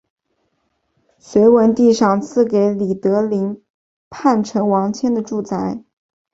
隋文帝赏赐给李德林叛臣王谦的住宅。